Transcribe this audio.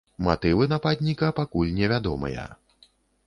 Матывы нападніка пакуль не вядомыя.